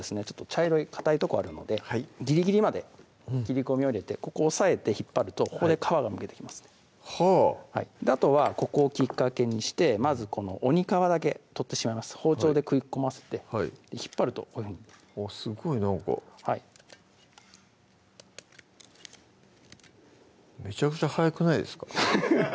茶色いかたいとこあるのでギリギリまで切り込みを入れてここ押さえて引っ張るとここで皮がむけてきますんではぁあとはここをきっかけにしてまずこの鬼皮だけ取ってしまいます包丁で食い込ませて引っ張るとこういうふうにあっすごいなんかはいめちゃくちゃ早くないですか？